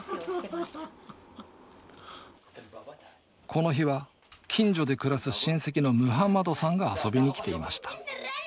この日は近所で暮らす親戚のムハンマドさんが遊びに来ていました。